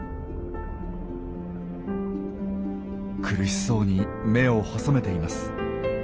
苦しそうに目を細めています。